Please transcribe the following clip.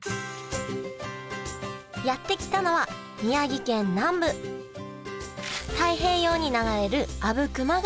やって来たのは宮城県南部太平洋に流れる阿武隈川